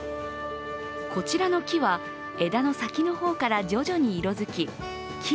こちらの木は、枝の先の方から徐々に色づき